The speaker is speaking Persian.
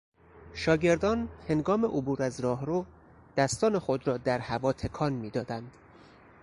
شاگردانهنگام عبور از راهرو، دستان خود را در هوا تکان میدادند.